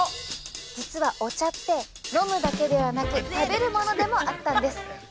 実は、お茶って飲むだけではなく食べるものでもあったんです。